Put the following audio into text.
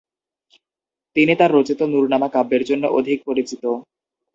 তিনি তার রচিত নূরনামা কাব্যের জন্য অধিক পরিচিত।